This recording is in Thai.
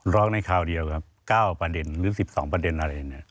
ร้องในคราวเดียวครับ๙ประเด็นหรือ๑๒ประเด็นอะไร